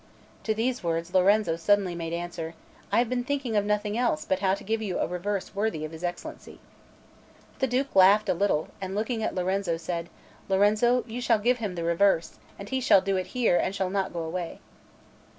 To these words Lorenzo suddenly made answer: "I have been thinking of nothing else but how to give you a reverse worthy of his Excellency." The Duke laughed a little, and looking at Lorenzo, said: "Lorenzo, you shall give him the reverse, and he shall do it here and shall not go away."